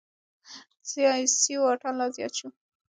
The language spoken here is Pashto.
سياسي واټن لا زيات شو.